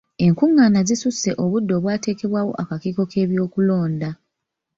Enkungaana zisusse obudde obwateekebwawo akakiiko k'ebyokulonda.